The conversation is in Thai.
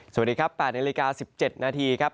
สวัสดีครับ๘นาฬิกา๑๗นาทีครับ